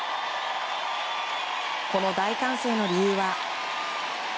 この大歓声の理由は。